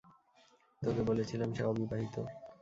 তোকে বলেছিলাম সে অবিবাহিত।